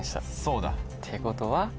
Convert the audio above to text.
ってことは。